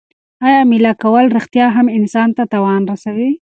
آیا مېله کول رښتیا هم انسان ته تاوان رسوي؟